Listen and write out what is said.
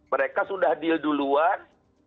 mereka sudah diadil duluan